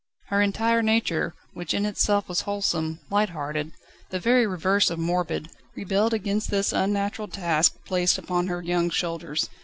Her entire nature, which in itself was wholesome, light hearted, the very reverse of morbid, rebelled against this unnatural task placed upon her young shoulders.